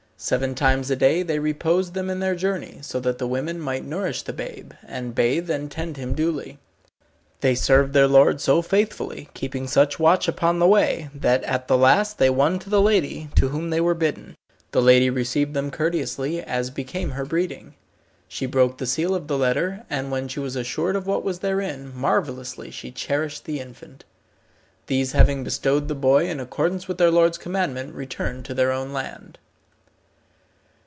Seven times a day they reposed them in their journey, so that the women might nourish the babe, and bathe and tend him duly. They served their lord so faithfully, keeping such watch upon the way, that at the last they won to the lady to whom they were bidden. The lady received them courteously, as became her breeding. She broke the seal of the letter, and when she was assured of what was therein, marvellously she cherished the infant. These having bestowed the boy in accordance with their lord's commandment, returned to their own land.